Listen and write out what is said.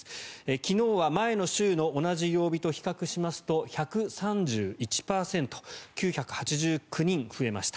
昨日は前の週の同じ曜日と比較しますと１３１％９８９人増えました。